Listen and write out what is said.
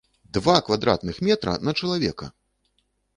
Два квадратных метра на чалавека!